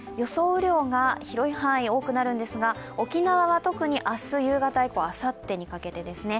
雨量が広い範囲、多くなるんですが、沖縄は特に明日夕方以降あさってにかけてですね。